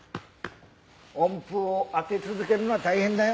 温風を当て続けるのは大変だよ。